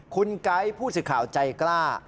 คุณไก๊ผู้สื่อข่าวใจกล้า